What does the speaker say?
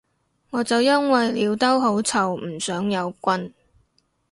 我就因為尿兜好臭唔想有棍